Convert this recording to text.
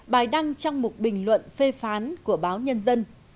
bài đăng trong một bình luận phê phán của báo nhân dân